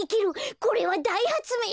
これはだいはつめいだよ！